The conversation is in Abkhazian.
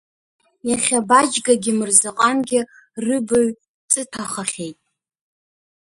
Иахьа Баџьгагьы Мырзаҟангьы рыбаҩ ҵыҭәахахьеит.